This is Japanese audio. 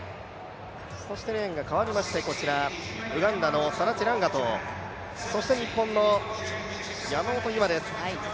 そしてレーンが変わりまして、こちらはウガンダのチェランガトとそして日本の山本有真です。